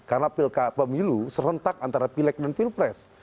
karena pemilu serentak antara pilek dan pilpres